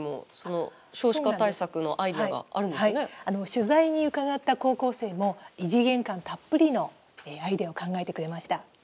取材に伺った高校生も異次元感たっぷりのアイデアを考えてくれました。